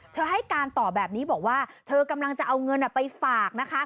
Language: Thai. ให้การต่อแบบนี้บอกว่าเธอกำลังจะเอาเงินไปฝากนะคะ